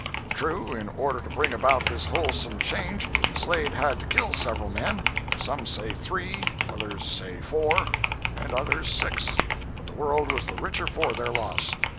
True, in order to bring about this wholesome change, Slade had to kill several men—some say three, others say four, and others six—but the world was the richer for their loss.